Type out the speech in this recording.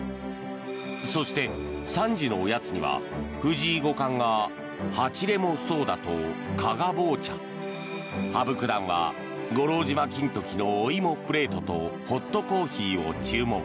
そして３時のおやつには藤井五冠がはちれもソーダと加賀棒茶羽生九段は五郎島金時のおいもプレートとホットコーヒーを注文。